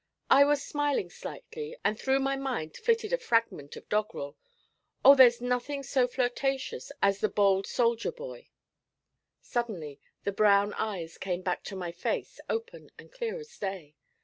I was smiling slightly, and through my mind flitted a fragment of doggerel: 'Oh, there's nothing so flirtatious As the bowld soldier boy!' Suddenly the brown eyes came back to my face, open and clear as day.